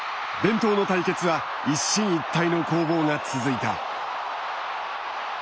伝統の対決は一進一退の攻防が続いた。